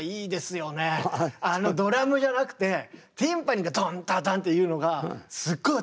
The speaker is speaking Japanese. あのドラムじゃなくてティンパニーがドンドドンっていうのがすっごい